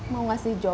mau gak sih jo